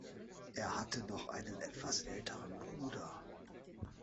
Er hatte noch einen etwas älteren Bruder.